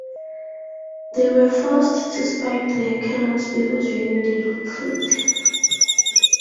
They were forced to spike their cannons before joining the retreat.